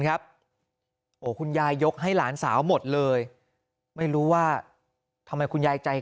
คุณยายยกให้หลานสาวหมดเลยไม่รู้ว่าทำไมคุณยายใจ